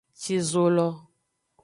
Ci zo lo.